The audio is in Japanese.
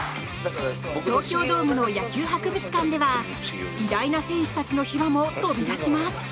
東京ドームの野球博物館では偉大な選手たちの秘話も飛び出します。